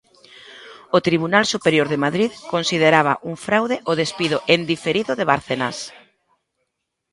O Tribunal Superior de Madrid consideraba un fraude o despido "en diferido" de Bárcenas.